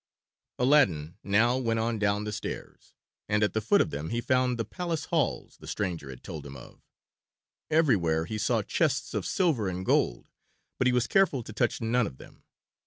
Aladdin now went on down the stairs, and at the foot of them he found the palace halls the stranger had told him of. Everywhere he saw chests of silver and gold, but he was careful to touch none of them.